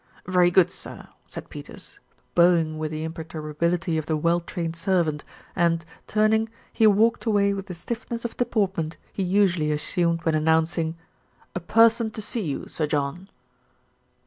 "Very good, sir," said Peters, bowing with the im perturbability of the well trained servant and, turning, he walked away with the stiffness of deportment he usually assumed when announcing, U A person to see you, Sir John!"